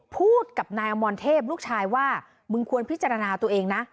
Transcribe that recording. พูดกับนายอมรเทพลูกชายว่ามึงควรพิจารณาตัวเองนะ